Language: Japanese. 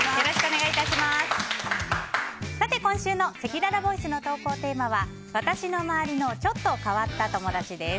今週のせきららボイスの投稿テーマは私の周りのちょっと変わった友達です。